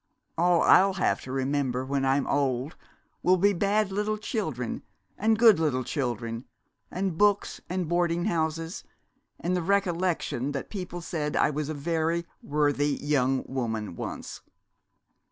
All I'll have to remember when I'm old will be bad little children and good little children, and books and boarding houses, and the recollection that people said I was a very worthy young woman once!"